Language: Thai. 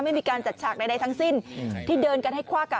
ไม่มีการจัดฉากใดทั้งสิ้นที่เดินกันให้คว่ากัน